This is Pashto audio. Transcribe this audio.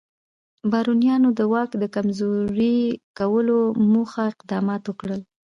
بارونیانو د واک د کمزوري کولو موخه اقدامات وکړل.